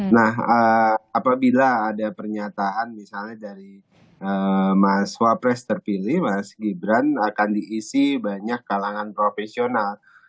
nah apabila ada pernyataan misalnya dari mas wapres terpilih mas gibran akan diisi banyak kalangan profesional